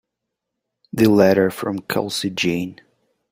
The letter from Kelsey Jane.